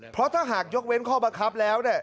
เพราะถ้าหากยกเว้นข้อบังคับแล้ว